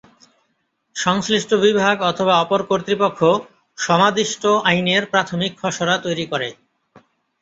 সংশ্লিষ্ট বিভাগ অথবা অপর কর্তৃপক্ষ সমাদিষ্ট আইনের প্রাথমিক খসড়া তৈরি করে।